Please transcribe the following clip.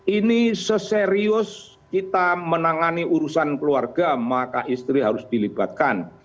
ini seserius kita menangani urusan keluarga maka istri harus dilibatkan